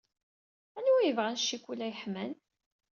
Anwa ay yebɣan ccikula yeḥman?